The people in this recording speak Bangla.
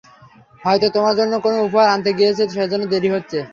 হয়তো তোমার জন্য কোনো উপহার আনতে গিয়েছে, সেজন্য দেরি হচ্ছে।